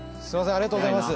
ありがとうございます